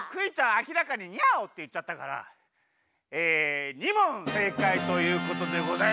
あきらかに「ニャオ」っていっちゃったからえ２もんせいかいということでございます！